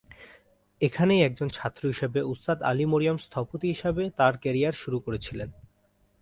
এখানেই একজন ছাত্র হিসাবে ওস্তাদ আলী মরিয়ম স্থপতি হিসাবে তাঁর কেরিয়ার শুরু করেছিলেন।